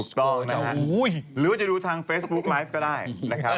ถูกต้องนะหรือว่าจะดูทางเฟซบุ๊กไลฟ์ก็ได้นะครับ